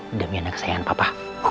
udah mianda kesayangan papa